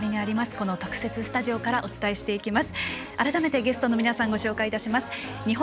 この特設スタジオからお伝えしていきます。